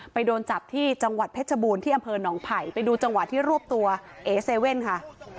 โดนจับที่จังหวัดเพชรบูรณ์ที่อำเภอหนองไผ่ไปดูจังหวะที่รวบตัวเอเซเว่นค่ะ